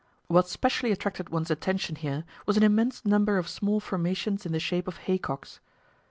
What specially attracted one's attention here was an immense number of small formations in the shape of haycocks.